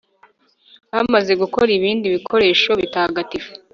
bamaze gukora ibindi bikoresho bitagatifu